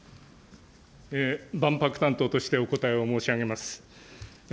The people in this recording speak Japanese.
万博担当として、お答えを申し上げます。